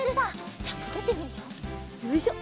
よいしょ。